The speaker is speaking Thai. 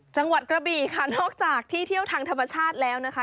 จังหวัดกระบี่ค่ะนอกจากที่เที่ยวทางธรรมชาติแล้วนะคะ